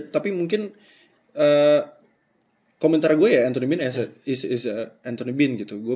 tapi mungkin komentar gue ya anthony bean is anthony bean gitu